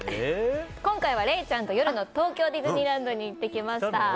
今回は礼ちゃんと夜の東京ディズニーランドに行ってきました。